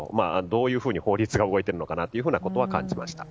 どういうふうに法律が動いているのかなとは感じました。